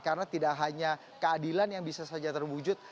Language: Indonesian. karena tidak hanya keadilan yang bisa saja terwujud